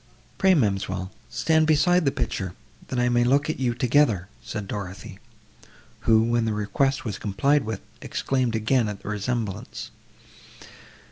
"Pray, ma'amselle, stand beside the picture, that I may look at you together," said Dorothée, who, when the request was complied with, exclaimed again at the resemblance.